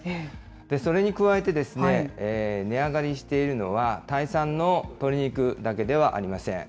それに加えて、値上がりしているのは、タイ産の鶏肉だけではありません。